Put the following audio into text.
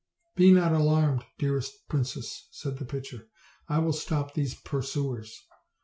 "Be not alarmed, dearest mistress," said the pitcher; "I will stop these pursuers."